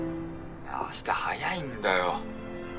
明日早いんだよ。